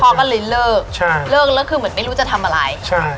พ่อก็เลยเลิกใช่เลิกแล้วคือเหมือนไม่รู้จะทำอะไรใช่